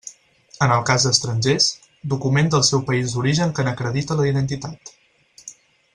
En el cas d'estrangers, document del seu país d'origen que n'acredite la identitat.